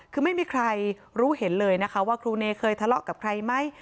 คือไม่มีใครรู้เห็นเลยนะคะว่าครูเนยเคยทะเลาะกับใครไหม